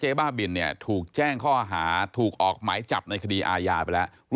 เจ๊บ้าบิลคือแม้ค้าขายสลากกินแบบรัฐบาล